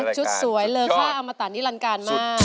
ชุดสวยเลอค่าอมตะนี่ลังการมาก